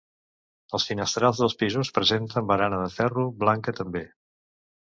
Els finestrals dels pisos presenten barana de ferro blanca també.